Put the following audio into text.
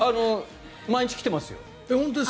毎日来てますよ。